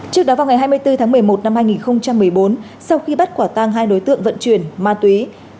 trước đó vào ngày hai mươi bốn tháng một mươi một năm hai nghìn một mươi bốn sau khi bắt quả tang hai đối tượng vận chuyển ma túy